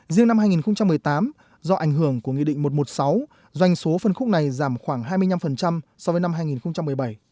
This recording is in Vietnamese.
riêng năm hai nghìn một mươi tám do ảnh hưởng của nghị định một trăm một mươi sáu doanh số phân khúc này giảm khoảng hai mươi năm so với năm hai nghìn một mươi bảy